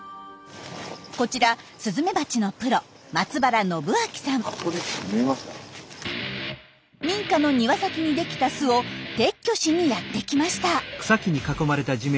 こちらスズメバチのプロ民家の庭先に出来た巣を撤去しにやって来ました。